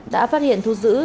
đã phát hiện thu giữ